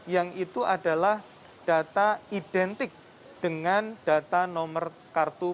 yang itu adalah data identik dengan data nomor kartu